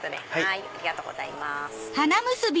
ありがとうございます。